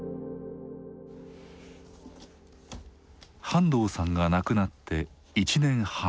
半藤さんが亡くなって１年半。